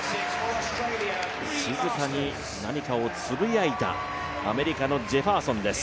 静かに何かをつぶやいたアメリカのジェファーソンです。